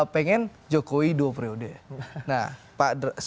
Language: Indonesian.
pengen jokowi dua prioritas